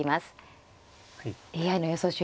ＡＩの予想手